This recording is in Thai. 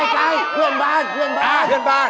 ใกล้เพื่อนบ้าน